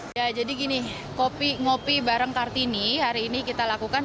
ya jadi gini kopi bareng kartini hari ini kita lakukan